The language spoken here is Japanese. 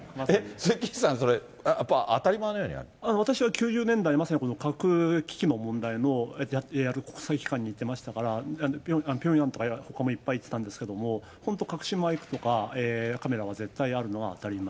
それ、岸さん、私は９０年代、まさにこの核危機の問題をやる国際機関にいましたから、ピョンヤンとかほかもいっぱい行ってたんですけども、本当隠しマイクとか、カメラは絶対あるのは当たり前。